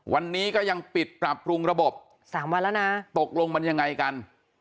วันนี้ก็ยังปิดปรับปรุงระบบสามวันแล้วนะตกลงมันยังไงกัน